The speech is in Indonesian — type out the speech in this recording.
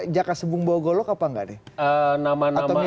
jakarta sebung bawogolok apa enggak